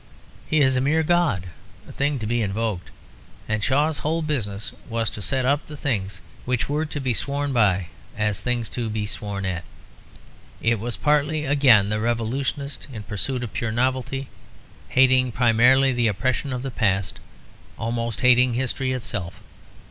He is a mere god; a thing to be invoked. And Shaw's whole business was to set up the things which were to be sworn by as things to be sworn at. It was partly again the revolutionist in pursuit of pure novelty, hating primarily the oppression of the past, almost hating history itself.